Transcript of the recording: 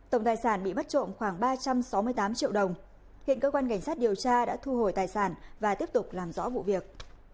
tổng tài sản bị bắt trộm khoảng ba trăm sáu mươi tám triệu đồng hiện cơ quan cảnh sát điều tra đã thu hồi tài sản và tiếp tục làm rõ vụ việc